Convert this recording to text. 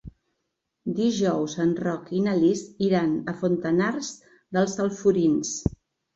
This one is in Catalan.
Dijous en Roc i na Lis iran a Fontanars dels Alforins.